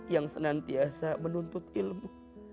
yang senantiasa menuntut ilmu